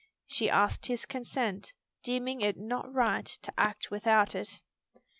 She asked his consent, deeming it mot right to act without it.